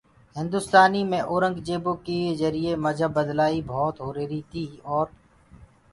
هندُستانيٚ مي اورنٚگجيبو ڪي جَريٚئيٚ مجهب بلآئي ڀوت هُريهريِٚ تيٚ اور